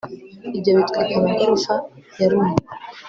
ibyo bitwika amagorofa yarumwe